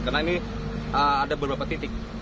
karena ini ada beberapa titik